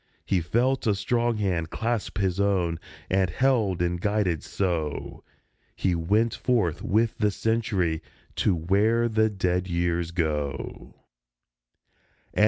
He felt a strong hand clasp his own, and, held and guided so, He went forth with the Century to where the dead Years go 104 A.